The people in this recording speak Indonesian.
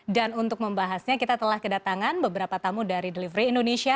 dan untuk membahasnya kita telah kedatangan beberapa tamu dari delivery indonesia